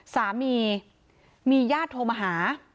สามีมีญาติโทรมาหา